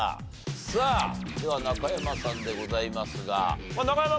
さあでは中山さんでございますが。